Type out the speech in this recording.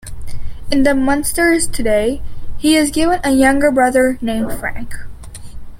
In "The Munsters Today", he is given a younger brother named Frank.